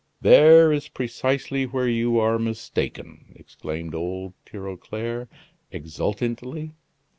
"There is precisely where you are mistaken!" exclaimed old Tirauclair, exultantly.